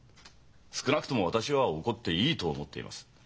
少なくとも私は怒っていいと思っています。